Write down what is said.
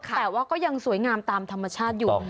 แต่ว่าก็ยังสวยงามตามธรรมชาติอยู่